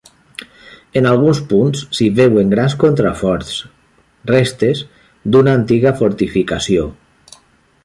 En alguns punts s'hi veuen grans contraforts, restes d'una antiga fortificació.